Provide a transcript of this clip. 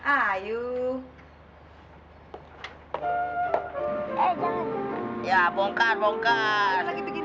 ayo mau mandi dulu gak